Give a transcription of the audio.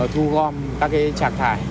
thu gom các trạc thải